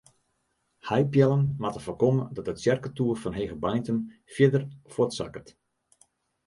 Heipeallen moatte foarkomme dat de tsjerketoer fan Hegebeintum fierder fuortsakket.